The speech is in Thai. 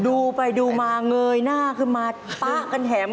ดูไปดูมาเงยหน้าขึ้นมาป๊ะกันแถม